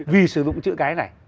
vì sử dụng chữ cái này